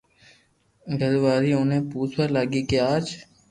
گھر واري اوني پوسوا لاگي ڪي اج